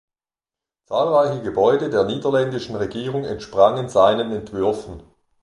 Zahlreiche Gebäude der niederländischen Regierung entsprangen seinen Entwürfen.